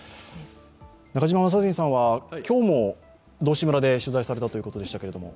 中島正純さんは今日も、道志村で取材されたということですけども。